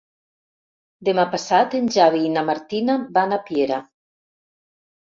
Demà passat en Xavi i na Martina van a Piera.